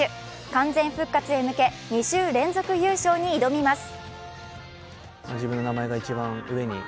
完全復活へ向け２週連続優勝に挑みます。